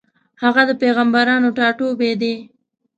هغه د پېغمبرانو ټاټوبی دی.